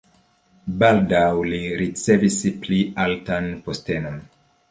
Baldaŭ li ricevis pli altan postenon.